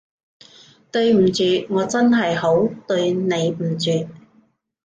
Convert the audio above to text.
對唔住，我真係好對你唔住